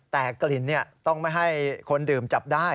แต่กลิ่นต้องไม่ให้คนดื่มจับได้